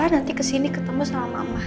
nanti kesini ketemu sama mama